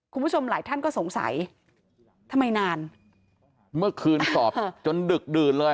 คุณผู้ชมหลายท่านก็สงสัยทำไมนานเมื่อคืนสอบจนดึกดื่นเลย